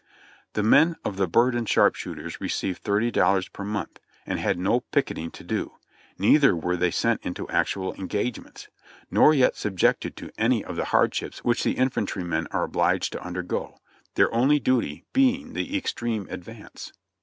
The men of the "Berdan Sharpshooters" received thirty dol lars per month, and had no picketing to do; neither were they sent into actual engagements, nor yet subjected to any of the SHARPSHOOTERS AND SHARPSHOOTERS III hardships which the infantrymen are obhged to undergo; their only duty being the extreme advance.